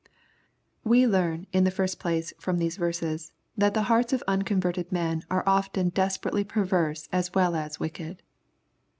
We leam, in the first place, from these verses, that the hearts of unconverted men are often desperately per^ verse as wdl as wicked.